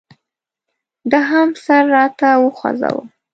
ده هم سر راته وخوځاوه.